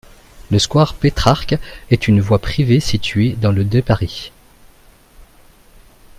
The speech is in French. Le square Pétrarque est une voie privée située dans le de Paris.